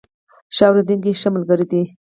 ښه اورېدونکي ښه ملګري دي.